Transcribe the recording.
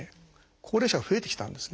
高齢者が増えてきたんですね。